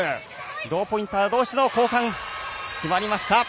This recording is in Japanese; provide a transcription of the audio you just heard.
ローポインターどうしの後半決まりました。